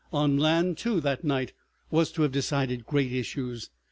On land, too, that night was to have decided great issues.